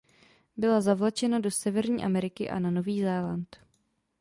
Byla zavlečena do Severní Ameriky a na Nový Zéland.